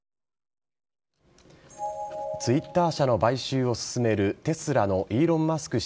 Ｔｗｉｔｔｅｒ社の買収を進めるテスラのイーロン・マスク